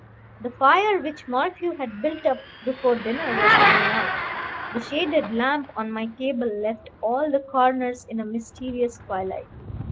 The fire which Morphew had built up before dinner was dying out, the shaded lamp on my table left all the corners in a mysterious twilight.